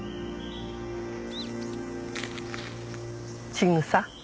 千草。